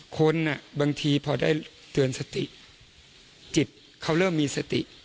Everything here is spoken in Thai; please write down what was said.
คนบางทีพอได้เตือนสติจิตเขาเริ่มมีสติ